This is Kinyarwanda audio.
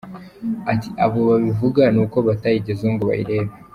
Ati “Abo babivuga ni uko batayigezeho ngo bayirebe.